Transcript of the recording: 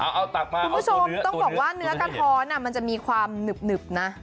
เอาตักมาคุณผู้ชมต้องบอกว่าเนื้อกระท้อนมันจะมีความหนึบนะ